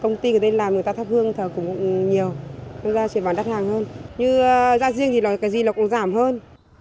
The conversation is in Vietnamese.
giá thắp hương cũng nhiều nên ra chuyển bán đắt hàng hơn như gia riêng thì cái gì nó cũng giảm hơn